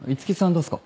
どうっすか？